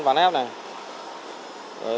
ván ép này